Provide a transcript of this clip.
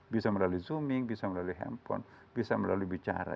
bisa melalui zooming bisa melalui handphone bisa melalui bicara